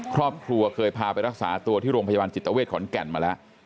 ครอบครัวเคยพาไปรักษาตัวที่โรงพยาบาลจิตเวทขอนแก่นมาแล้ว